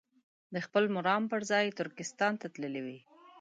د خپل مرام پر ځای ترکستان ته تللي وي.